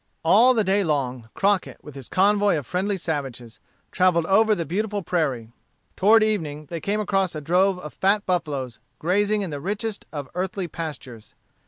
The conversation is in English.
All the day long, Crockett, with his convoy of friendly savages, travelled over the beautiful prairie. Toward evening they came across a drove of fat buffaloes grazing in the richest of earthly pastures.